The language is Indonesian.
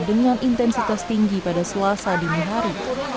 dengan intensitas tinggi pada selasa dini hari